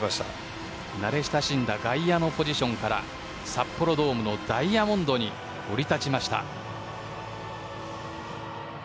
慣れ親しんだ外野のポジションから札幌ドームのダイヤモンドに降り立ちました。